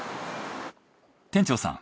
店長さん。